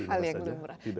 hal yang lumrah